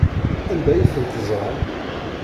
Anda ay tent-teẓramt?